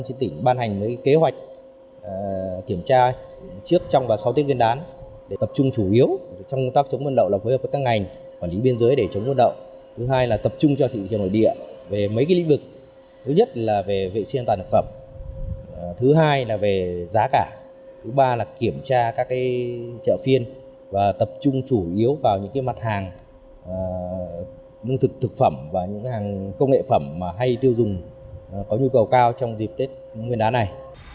thứ ba là kiểm tra các chợ phiên và tập trung chủ yếu vào những mặt hàng nương thực thực phẩm và những hàng công nghệ phẩm hay tiêu dùng có nhu cầu cao trong dịp tết nguyên đán này